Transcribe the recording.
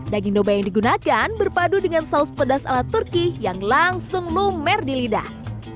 daging domba yang digunakan berpadu dengan saus pedas ala turki yang langsung lumer di lidah